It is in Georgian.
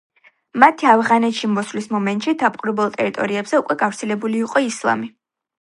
მათი ავღანეთში მოსვლის მომენტში დაპყრობილ ტერიტორიებზე უკვე გავრცელებული იყო ისლამი.